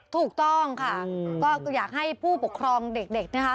ถูกต้องค่ะก็อยากให้ผู้ปกครองเด็กนะคะ